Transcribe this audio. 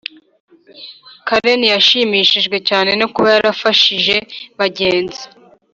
Karen yashimishijwe cyane no kuba yarafashije bagenzi